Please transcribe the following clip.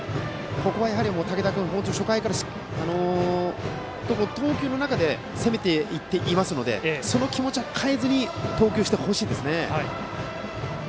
ここは竹田君は初回から投球の中で攻めていっていますのでその気持ちは変えずに投球してほしいですね。